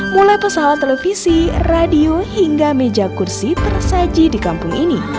mulai pesawat televisi radio hingga meja kursi tersaji di kampung ini